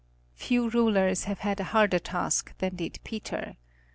Few rulers have had a harder task than did Peter.